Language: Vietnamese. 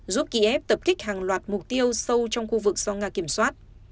giúp kiev tập kích hàng loạt mục tiêu sâu trong khu vực do nga kiểm soát